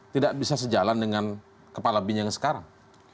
tidak bisa sejalan dengan kepala bin yang sekarang